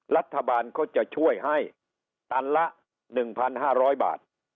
รัฐบาลเขาจะช่วยให้ตันละ๑๕๐๐บาท